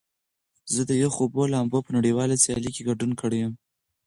زه د یخو اوبو لامبو په نړیواله سیالۍ کې ګډون کړی یم.